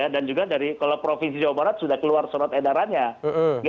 dan juga dari kalau provinsi jawa barat sudah keluar surat edarannya